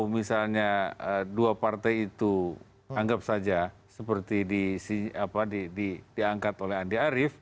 misalnya dua partai itu anggap saja seperti diangkat oleh andi arief